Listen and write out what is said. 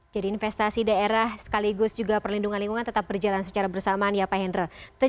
jadi investasi daerah sekaligus juga perlindungan lingkungan tetap berjalan secara bersamaan ya pak hendra